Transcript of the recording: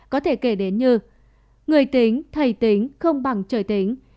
có thể kể đến như người tính thầy tính không bằng trời tính